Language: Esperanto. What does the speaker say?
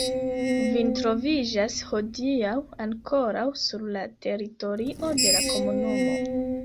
Kvin troviĝas hodiaŭ ankoraŭ sur la teritorio de la komunumo.